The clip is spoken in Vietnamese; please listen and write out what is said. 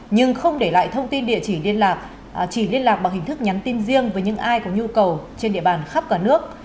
nhưng không để lại thông tin địa chỉ liên lạc chỉ liên lạc bằng hình thức nhắn tin riêng với những ai có nhu cầu trên địa bàn khắp cả nước